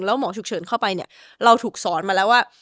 แล้วหมอฉุกเฉินเข้าไปเนี่ยเราถูกสอนมาแล้วว่า